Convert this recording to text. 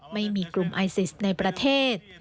ไม่มีกลุ่มไอซิสในประเทศ